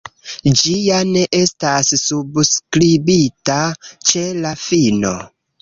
Ĝi ja ne estas subskribita ĉe la fino.